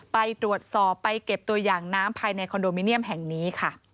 ไปตรวจสอบไปเก็บตัวอย่างน้ำภายในคอนโดมิเนียมแห่งนี้ค่ะ